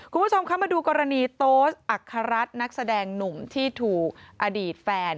คุณผู้ชมคะมาดูกรณีโต๊สอัคฮรัฐนักแสดงหนุ่มที่ถูกอดีตแฟน